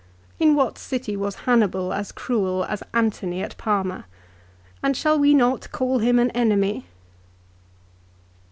In what city was Hannibal as cruel as Antony at Parma ; and shall we not call him an enemy